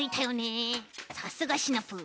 さすがシナプー。